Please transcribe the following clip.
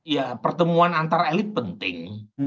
ya pertemuan antara elit penting